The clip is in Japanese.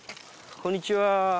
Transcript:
こんにちは。